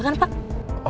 gak apa apa kan pak